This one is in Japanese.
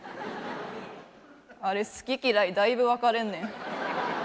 あれ好き嫌いだいぶ分かれんねん。